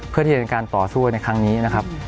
เพื่อที่จะเป็นการต่อสู้ในครั้งนี้นะครับ